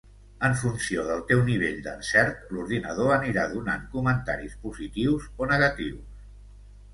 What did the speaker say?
En funció del teu nivell d'encert, l'ordinador anirà donant comentaris positius o negatius.